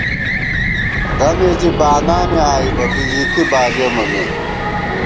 غمےزی بانانے آئی بہ ، بِژِکی بالېمہ مے